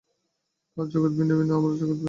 তাঁর জগৎ ভিন্ন, আমার জগৎ ভিন্ন।